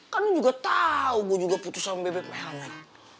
kan lu juga tau gue juga putus sama bebek melman